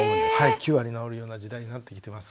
９割治るような時代になってきてます。